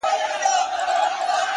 هره موخه د حوصلې غوښتنه کوي